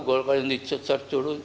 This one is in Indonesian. golkar yang dicocok cocok